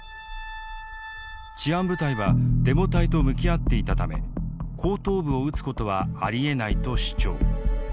治安部隊はデモ隊と向き合っていたため後頭部を撃つことはありえない」と主張。